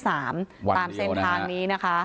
วันเดียวนะคะตามเส้นทางนี้นะคะ